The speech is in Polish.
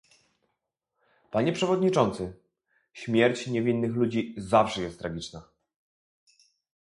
Panie przewodniczący! Śmierć niewinnych ludzi zawsze jest tragiczna